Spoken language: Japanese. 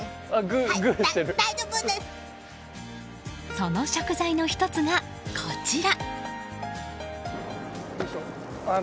その食材の１つが、こちら。